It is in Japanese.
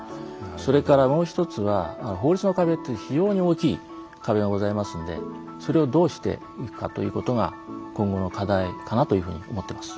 それからもう一つは法律の壁っていう非常に大きい壁がございますのでそれをどうしていくかということが今後の課題かなというふうに思ってます。